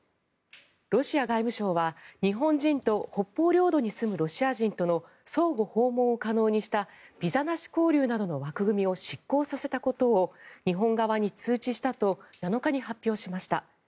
ロシア外務省は日本人と北方領土に住むロシア人との相互訪問を可能にしたビザなし交流などの枠組みを失効させたことを日本側に通知したと７日に発表しました。